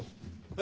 え。